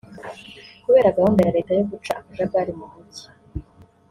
Kubera gahunda ya leta yo guca akajagari mu Mujyi